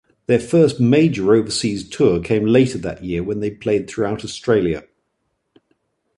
Their first major overseas tour came later that year when they played throughout Australia.